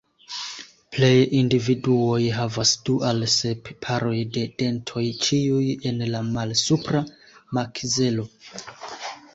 Plej individuoj havas du al sep paroj de dentoj, ĉiuj en la malsupra makzelo.